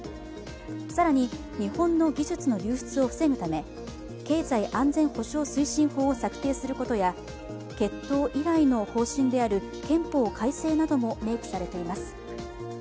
更に、日本の技術の流出を防ぐため経済安全保障推進法を策定することや、結党以来の方針である憲法改正なども明記されています。